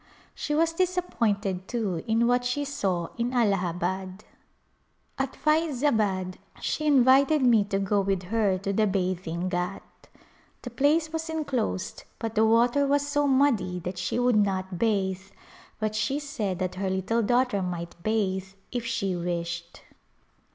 She was disappointed, too, in what she saw in Alla habad. At Fyzabad she invited me to go with her to the bathing ghat. The place was enclosed but the water was so muddy that she would not bathe, but she said that her little daughter might bathe if she wished.